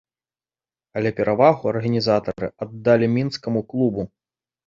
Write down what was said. Але перавагу арганізатары аддалі мінскаму клубу.